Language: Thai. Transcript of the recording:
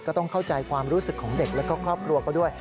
ก็ต้องเข้าใจความรู้สึกของเด็กและครอบครัวเขาด้วย